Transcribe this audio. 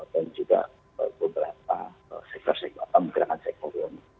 dan juga beberapa pergerakan sektor